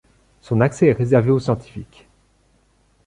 Son accès est réservé aux scientifiques.